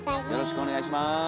よろしくお願いします。